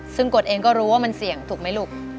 ซึ่งกฎเองก็รู้ว่ามันเสี่ยงถูกไหมลูก